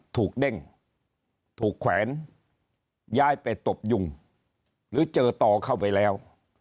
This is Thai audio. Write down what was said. เด้งถูกแขวนย้ายไปตบยุงหรือเจอต่อเข้าไปแล้ว